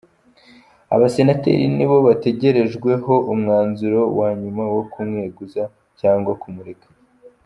Abasenateri nibo bategerejweho umwanzuro wa nyuma wo kumweguza cyangwa kumureka.